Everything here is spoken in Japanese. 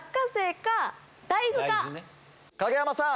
影山さん。